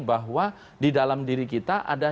bahwa di dalam diri kita ada